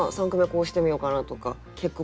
こうしてみようかなとか。